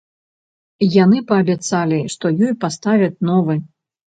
Яны паабяцалі, што ёй паставяць новы.